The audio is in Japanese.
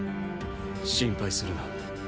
心配するな。